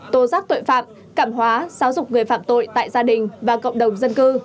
tổ giác tội phạm cảm hóa xáo dục người phạm tội tại gia đình và cộng đồng dân cư